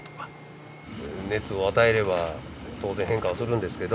熱を与えれば当然変化はするんですけど。